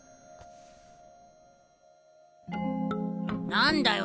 何だよ